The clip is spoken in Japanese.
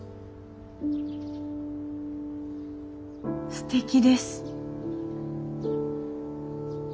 すてきです。